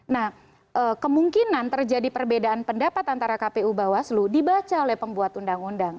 nah kemungkinan terjadi perbedaan pendapat antara kpu bawaslu dibaca oleh pembuat undang undang